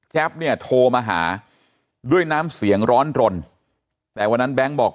เนี่ยโทรมาหาด้วยน้ำเสียงร้อนรนแต่วันนั้นแบงค์บอก